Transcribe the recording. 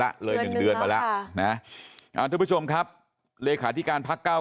แล้วเลย๑เดือนมาแล้วนะทุกผู้ชมครับเลขาธิการพักเก้า